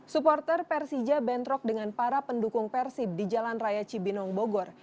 supporter persija bentrok dengan para pendukung persib di jalan raya cibinong bogor